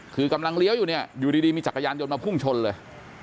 คือกำลังเลี้ยวอยู่เนี่ยอยู่ดีมีจักรยานยนต์มาพุ่งชนเลย